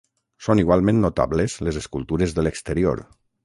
Són igualment notables les escultures de l'exterior.